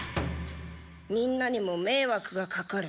みんなにもめいわくがかかる。